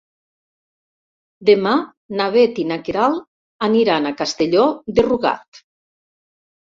Demà na Bet i na Queralt aniran a Castelló de Rugat.